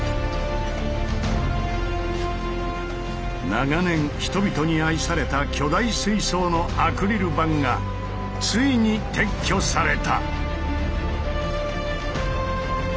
長年人々に愛された巨大水槽のアクリル板がついに撤去された。